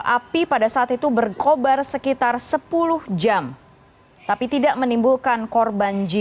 api pada saat itu berkobar sekitar sepuluh jam tapi tidak menimbulkan korban jiwa